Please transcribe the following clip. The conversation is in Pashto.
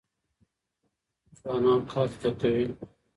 ځوانان کار زده کوي.